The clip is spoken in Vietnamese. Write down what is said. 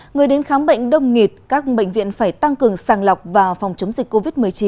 người đến khám bệnh đông nghịt các bệnh viện phải tăng cường sàng lọc và phòng chống dịch covid một mươi chín